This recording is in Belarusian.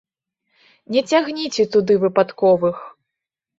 Не цягніце туды выпадковых.